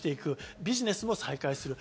ビジネスも再開する。